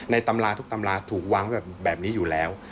ตำราทุกตำราถูกวางไว้แบบนี้อยู่แล้ว